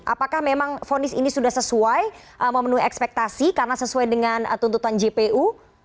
apakah memang fonis ini sudah sesuai memenuhi ekspektasi karena sesuai dengan tuntutan jpu